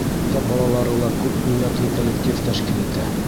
Мәктәп балалары ла күп милләтле коллектив тәшкил итә.